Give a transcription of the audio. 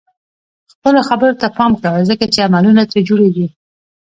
خپلو خبرو ته پام کوه ځکه چې عملونه ترې جوړيږي.